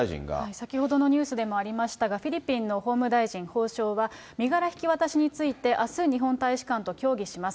先ほどのニュースでもありましたが、フィリピンの法務大臣、法相は、身柄引き渡しについて、あす、日本大使館と協議します。